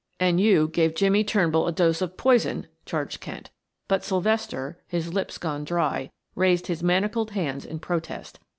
"And you gave Jimmie Turnbull a dose of poison " charged Kent, but Sylvester, his lips gone dry, raised his manacled hands in protest.